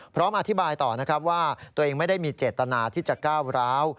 พร้อมอธิบายต่อนะครับว่าตัวเองไม่ได้มีเจตนาที่จะก้าวร้าว